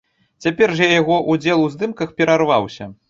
Цяпер жа яго ўдзел у здымках перарваўся.